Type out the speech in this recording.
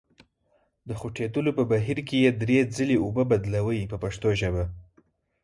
د خوټېدلو په بهیر کې یې درې ځلې اوبه بدلوئ په پښتو ژبه.